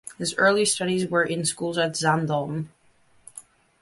His early studies were in schools at Zaandam.